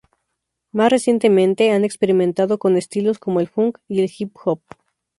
Más recientemente, han experimentado con estilos como el funk y el hip-hop.